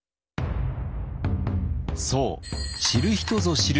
そう知る人ぞ知る